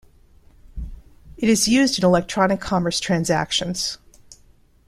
It is used in electronic commerce transactions.